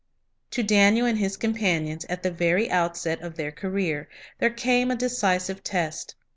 To Daniel and his companions, at the very outset of their career, there came a decisive test.